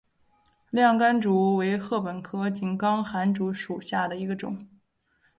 亮竿竹为禾本科井冈寒竹属下的一个种。